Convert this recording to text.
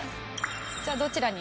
じゃあどちらに。